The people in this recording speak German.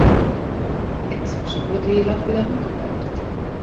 Inzwischen wurde die Lok wieder rückgebaut.